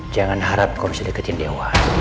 jangan harap kau bisa deketin dewa